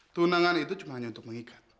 tunangan itu cuma hanya untuk mengikat